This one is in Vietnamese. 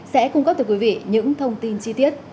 sẽ cung cấp từ quý vị những thông tin chi tiết